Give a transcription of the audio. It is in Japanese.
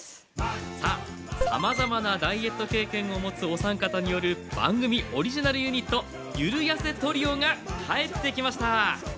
さあさまざまなダイエット経験をもつお三方による番組オリジナルユニットゆるやせトリオが帰ってきました。